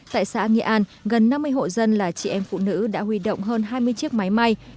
tại xã nghĩa an gần năm mươi hộ dân là chị em phụ nữ đã huy động hơn hai mươi chiếc máy may